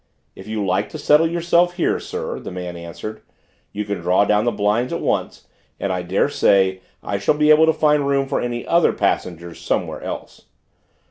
"If you like to settle yourself here, sir," the man answered, "you can draw down the blinds at once, and I dare say I shall be able to find room for any other passengers somewhere else."